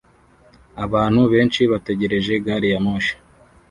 Abantu benshi bategereje gari ya moshi